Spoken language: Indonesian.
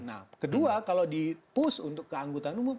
nah kedua kalau di push untuk ke anggota umum